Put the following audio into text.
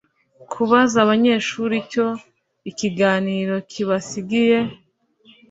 kubaza abanyeshuri icyo ikiganiro kibasigiye